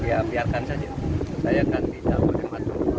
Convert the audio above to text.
ya biarkan saja saya akan tidak menjawab yang masuk